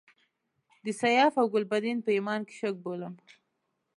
د سیاف او ګلبدین په ایمان کې شک بولم.